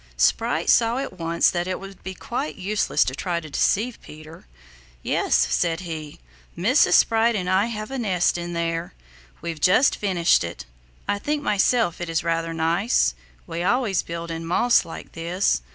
Sprite saw at once that it would be quite useless to try to deceive Peter. "Yes," said he, "Mrs. Sprite and I have a nest in there. We've just finished it. I think myself it is rather nice. We always build in moss like this.